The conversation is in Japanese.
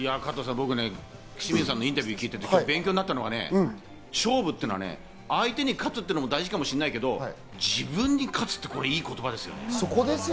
僕ね、清水さんのインタビューを聞いて勉強になったのはね、勝負っていうのは相手に勝つのも大事かもしれないけど、自分に勝つっていい言葉ですよ。